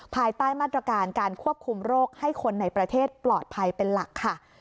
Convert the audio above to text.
ภายใต้มาตรการการควบคุมโรคให้คนในประเทศปลอดภัยเป็นหลักค่ะ